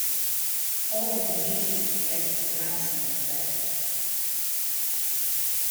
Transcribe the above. Hall and Heady collected the ransom and fled.